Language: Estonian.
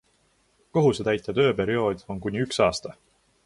Kohusetäitja tööperiood on kuni üks aasta.